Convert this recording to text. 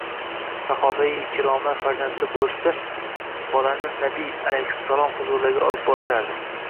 Sahobai kiromlar farzandli bo‘lishsa, bolani Nabiy alayhissalom huzurlariga olib borishardi.